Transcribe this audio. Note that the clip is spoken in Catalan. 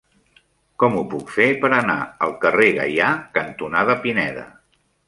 Com ho puc fer per anar al carrer Gaià cantonada Pineda?